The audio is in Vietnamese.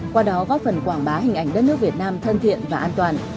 qua đó góp phần quảng bá hình ảnh đất nước việt nam thân thiện và an toàn